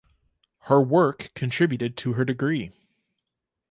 Her work contributed to her degree.